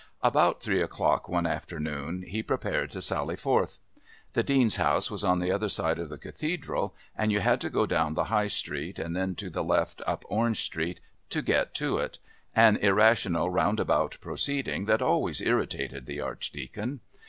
About three o'clock one afternoon he prepared to sally forth. The Dean's house was on the other side of the Cathedral, and you had to go down the High Street and then to the left up Orange Street to get to it, an irrational roundabout proceeding that always irritated the Archdeacon.